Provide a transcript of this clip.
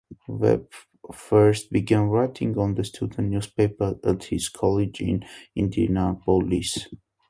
Webb first began writing on the student newspaper at his college in Indianapolis.